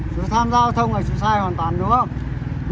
chú tham gia giao thông là chú sai hoàn toàn đúng không